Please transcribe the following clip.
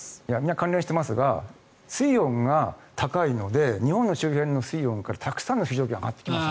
関連してますが水温が高いので日本の周辺の水温からたくさんの水蒸気が上がってきます。